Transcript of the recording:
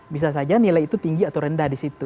bisa saja nilai itu tinggi atau rendah di situ